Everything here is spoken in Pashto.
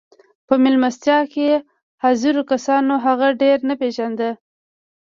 په مېلمستیا کې حاضرو کسانو هغه ډېر نه پېژانده